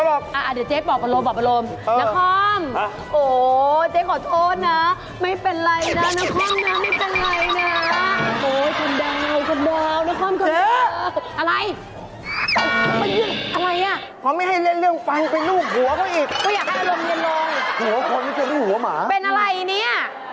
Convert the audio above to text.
วันนี้นครเขาอารมณ์ไม่ค่อยดี